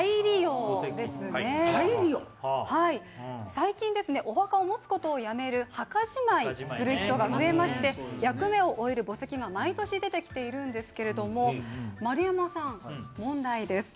最近、お墓を持つことをやめる墓じまいする人が増えまして、役目を終える墓石が毎年出てきているんですけども、丸山さん、問題です。